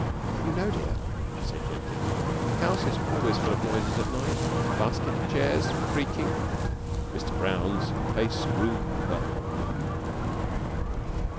"You know, dear," she said, gently, "a house is always full of noises at night. Basket chairs creaking " Mr. Brown's face grew purple.